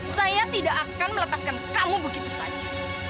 saya tidak akan melepaskan kamu begitu saja